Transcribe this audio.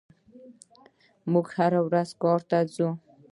موږ هره ورځ کار ته ځو.